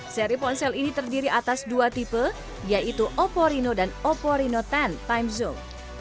seri ponsel ini terdiri atas dua tipe yaitu oppo reno dan oppo reno sepuluh time zoom